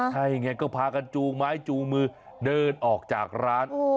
ใช่ไงก็พากันจูงไม้จูงมือเดินออกจากร้าน